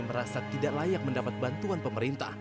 merasa tidak layak mendapat bantuan pemerintah